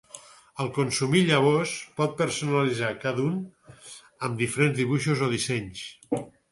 El consumir llavors pot personalitzar cada un amb diferents dibuixos o dissenys.